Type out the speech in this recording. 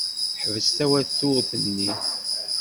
Ḥbes tawaturt-nni!